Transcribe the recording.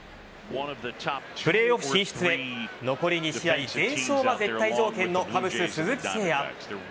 プレーオフ進出へ残り２試合全勝が絶対条件のカブス・鈴木誠也。